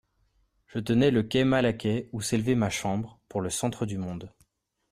Je tenais le quai Malaquais, ou s'élevait ma chambre, pour le centre du monde.